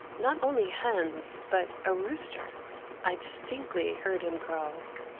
Not only hens, but a rooster. I distinctly heard him crow.